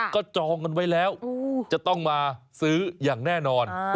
ก็จองกันไว้แล้วจะต้องมาซื้ออย่างแน่นอน